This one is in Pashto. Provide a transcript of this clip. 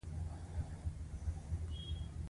کرار ارام ویده شه !